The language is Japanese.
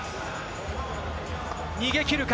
逃げ切るか？